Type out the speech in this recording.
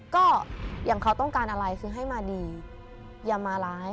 ก็อย่างเขาต้องการอะไรคือให้มาดีอย่ามาร้าย